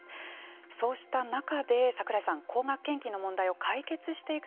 そうした中で、櫻井さん高額献金の問題を解決していく